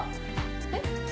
えっ？